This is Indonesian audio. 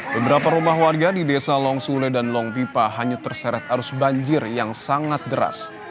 beberapa rumah warga di desa longsule dan longpipa hanya terseret arus banjir yang sangat deras